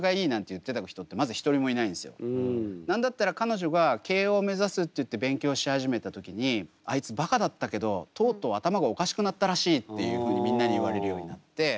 なんだったら彼女が慶應目指すって言って勉強し始めた時にあいつばかだったけどとうとう頭がおかしくなったらしいっていうふうにみんなに言われるようになって。